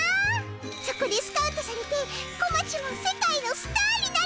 そこでスカウトされてこまちも世界のスターになるの。